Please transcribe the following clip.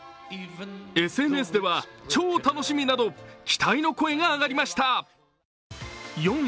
ＳＮＳでは超楽しみなど期待の声が上がりました。